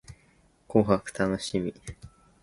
紅白楽しみ